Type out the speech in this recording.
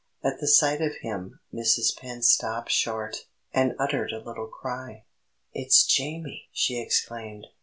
At the sight of him Mrs. Penn stopped short and uttered a little cry. "It's Jamie!" she exclaimed.